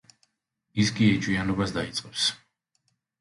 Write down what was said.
ის კი ეჭვიანობას დაიწყებს.